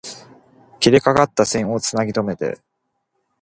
切れかかった線を繋ぎとめて